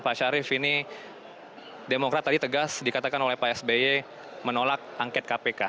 pak syarif ini demokrat tadi tegas dikatakan oleh pak sby menolak angket kpk